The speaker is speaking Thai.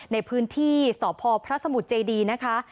ในพื้นที่สพพระสมุทรเจดีนะคะ